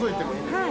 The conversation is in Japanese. はい。